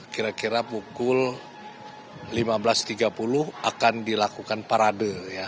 kira kira pukul lima belas tiga puluh akan dilakukan parade ya